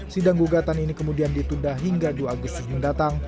sidang gugatan ini kemudian ditunda hingga dua agustus mendatang